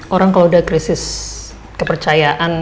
orang kalau udah krisis kepercayaan